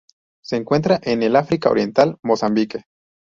Se encuentra en el África Oriental: Mozambique.